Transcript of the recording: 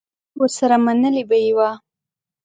ورسره منلې به یې وه